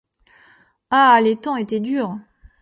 Ah! les temps étaient durs !